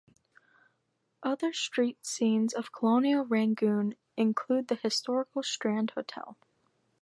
Other street scenes of colonial Rangoon include the historical Strand Hotel.